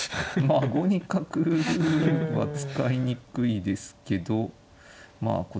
まあ５二角は使いにくいですけどまあ